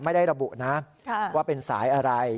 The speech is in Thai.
ไม่ได้ระบุนะว่าเป็นสายอะไร